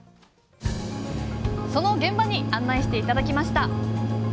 その現場に案内して頂きました。